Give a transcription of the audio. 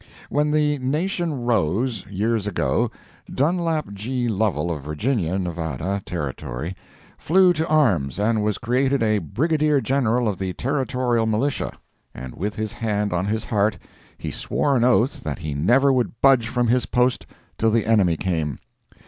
When the nation rose, years ago, Dunlap G. Lovel of Virginia, Nevada (Territory), flew to arms and was created a Brigadier General of the territorial militia; and with his hand on his heart he swore an oath that he never would budge from his post till the enemy came.